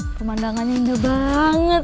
pemandangannya indah banget